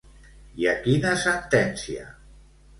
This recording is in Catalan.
I a quina sentència?